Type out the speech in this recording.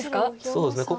そうですね